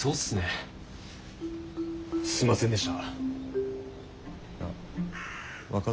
すいません。